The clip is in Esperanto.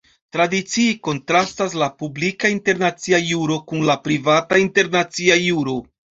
Tradicie kontrastas la "publika internacia juro" kun la "privata internacia juro".